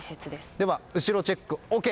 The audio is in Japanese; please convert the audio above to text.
では、後ろチェックＯＫ。